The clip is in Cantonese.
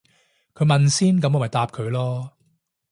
佢問先噉我咪答後佢咯